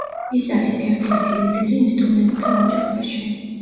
ის არის ერთ-ერთი ლიდერი ინსტრუმენტთა ვაჭრობაში.